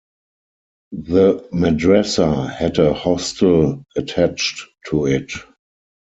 The Madressa had a hostel attached to it.